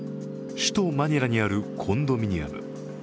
首都マニラにあるコンドミニアム。